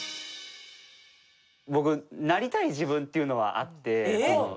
僕なりたい自分っていうのはあって。